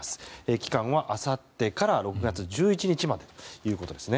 期間はあさってから６月１１日までということです。